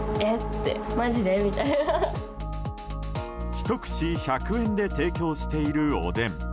１串１００円で提供しているおでん。